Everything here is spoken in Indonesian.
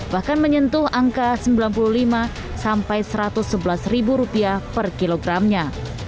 bahkan menyentuh angka sembilan puluh lima sampai satu ratus sebelas ribu rupiah per kilogramnya